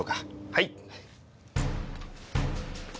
はい。